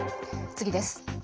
次です。